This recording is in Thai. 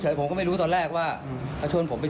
แต่ยอมรับว่าลูกสาวเขาหายตัวไป